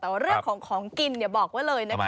แต่ว่าเรื่องของของกินบอกไว้เลยนะคะ